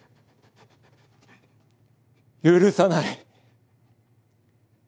許さない。